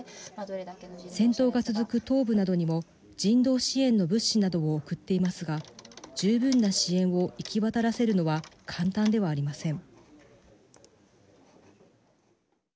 戦闘が続く東部などにも人道支援の物資などを送っていますが十分な支援を行き渡らせるのは簡単ではありません。